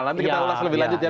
nanti kita ulas lebih lanjut ya